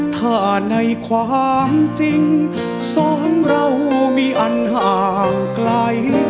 ถ้าในความจริงสองเรามีอันห่างไกล